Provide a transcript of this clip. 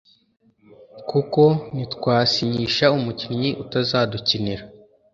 kuko ntitwasinyisha umukinnyi utazadukinira